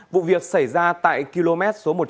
vụ việc xảy ra tại km một trăm linh một bốn trăm linh